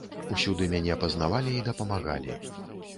Усюды мяне пазнавалі і дапамагалі.